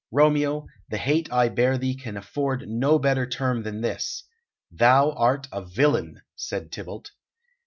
"Romeo, the hate I bear thee can afford no better term than this thou art a villain!" said Tybalt.